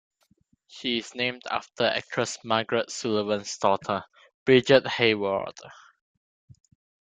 She is named after actress Margaret Sullavan's daughter Bridget Hayward.